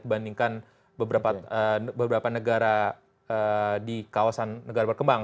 dibandingkan beberapa negara di kawasan negara berkembang